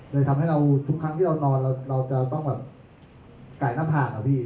เลยทำให้เราทุกครั้งที่เรานอนเราจะต้องแบบใส่หน้าผากอะพี่